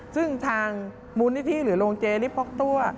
ซึ่งทางมูลนิธิหรือโรงเจนี่พกตัว